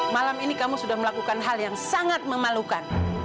malam ini kamu sudah melakukan hal yang sangat memalukan